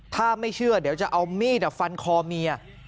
ถ้าไม่เชื่อเดี๋ยวจะเอามีดฟันคอเมีย